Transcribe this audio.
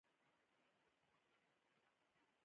د ترافیکو قوانین باید وپیژنو.